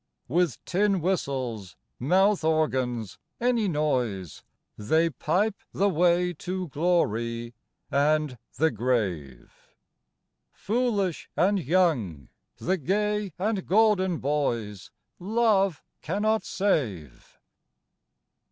With tin whistles, mouth organs, any noise, They pipe the way to glory and the grave ; Foolish and young, the gay and golden boys Love cannot save.